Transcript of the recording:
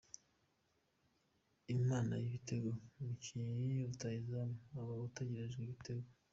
Imana y’ibitego: Umukinnyi rutahizamu, uba utegerejweho ibitego.